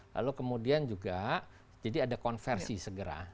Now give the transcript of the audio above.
lalu kemudian juga jadi ada konversi segera